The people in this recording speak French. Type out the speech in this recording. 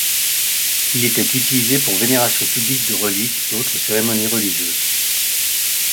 Il était utilisé pour vénérations publiques de reliques et autres cérémonies religieuses.